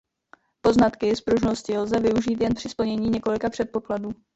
Poznatky z pružnosti lze využít jen při splnění několika předpokladů.